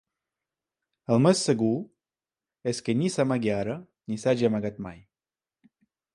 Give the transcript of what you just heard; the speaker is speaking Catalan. El més segur és que ni s'amagui ara ni s'hagi amagat mai.